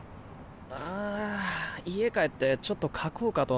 ああ家帰ってちょっと描こうかと。